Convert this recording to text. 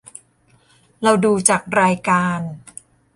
เราดูจากรายการ